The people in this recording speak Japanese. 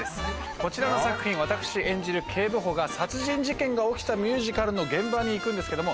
こちらの作品私演じる警部補が殺人事件が起きたミュージカルの現場に行くんですけども。